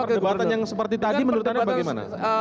perdebatan yang seperti tadi menurut anda bagaimana